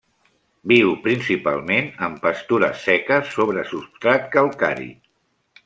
Viu principalment en pastures seques sobre substrat calcari.